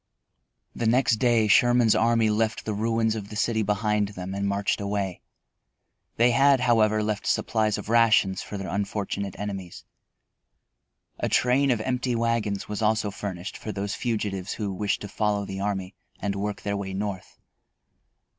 The next day Sherman's army left the ruins of the city behind them and marched away. They had, however, left supplies of rations for their unfortunate enemies. A train of empty wagons was also furnished for those fugitives who wished to follow the army and work their way North.